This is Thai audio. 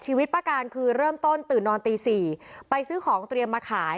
ชีวิตป้าการคือเริ่มต้นตื่นนอนตี๔ไปซื้อของเตรียมมาขาย